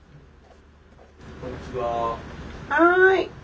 はい。